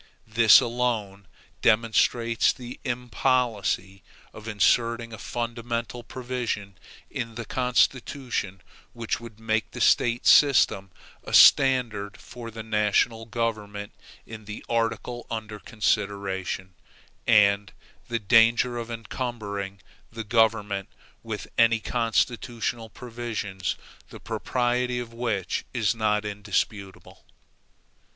This alone demonstrates the impolicy of inserting a fundamental provision in the Constitution which would make the State systems a standard for the national government in the article under consideration, and the danger of encumbering the government with any constitutional provisions the propriety of which is not indisputable.